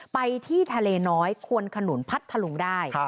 ไปที่ทะเลน้อยควนขนุนพัทธลุงได้